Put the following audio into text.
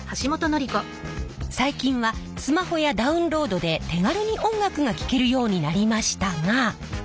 最近はスマホやダウンロードで手軽に音楽が聴けるようになりましたが。